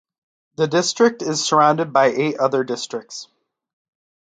The district is surrounded by eight other districts.